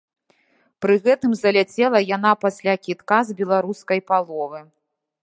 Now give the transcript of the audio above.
Пры гэтым заляцела яна пасля кідка з беларускай паловы!